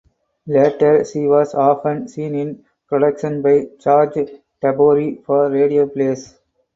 Later she was often seen in productions by George Tabori for radio plays.